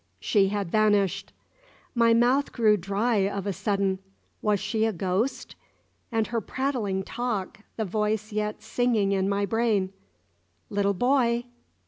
She had vanished. My mouth grew dry of a sudden. Was she a ghost? And her prattling talk the voice yet singing in my brain "Little boy!